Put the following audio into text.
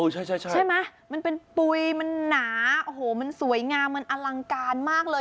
ใช่ไหมมันเป็นปุ๋ยมันหนาโอ้โหมันสวยงามมันอลังการมากเลย